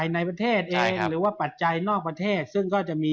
แน่นอนฮะเรื่องกระดวนหุ้น